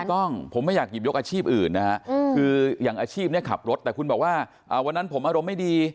ถูกต้องผมไม่อยากหยิบยกอาชีพอื่นนะฮะคืออย่างอาชีพนี้ขับรถแต่คุณบอกว่าวันนั้นผมอารมณ์ไม่ดี